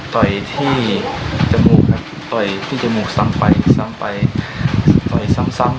ต่อยที่จมูกครับต่อยที่จมูกซ้ำไปที่ซ้ำไปต่อยซ้ำซ้ำ